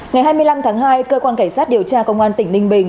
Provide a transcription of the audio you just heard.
ngày hai mươi năm tháng hai cơ quan cảnh sát điều tra công an tỉnh ninh bình